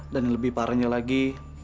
dan yang lebih parahnya lagi